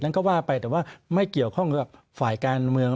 ก็ว่าไปแต่ว่าไม่เกี่ยวข้องกับฝ่ายการเมือง